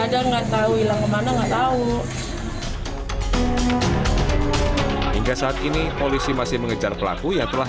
ada nggak tahu hilang kemana nggak tahu hingga saat ini polisi masih mengejar pelaku yang telah